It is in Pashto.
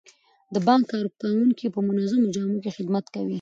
د بانک کارکوونکي په منظمو جامو کې خدمت کوي.